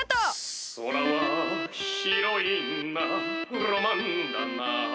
「宇宙は広いなロマンだな」